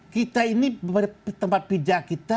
kita ini tempat pijak kita